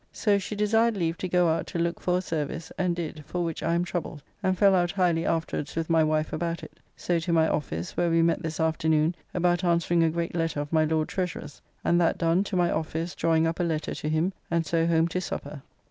So she desired leave to go out to look [for] a service, and did, for which I am troubled, and fell out highly afterwards with my wife about it. So to my office, where we met this afternoon about answering a great letter of my Lord Treasurer's, and that done to my office drawing up a letter to him, and so home to supper.